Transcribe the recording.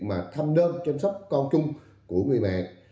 mà thăm đơn chăm sóc con chung của người mẹ